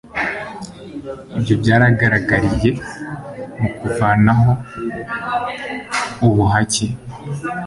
ibyo byagaragariye mu kuvanaho ubuhake